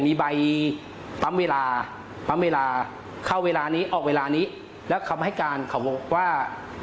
มีใบปั๊มเวลาปั๊มเวลาเข้าเวลานี้ออกเวลานี้แล้วคำให้การเขาบอกว่า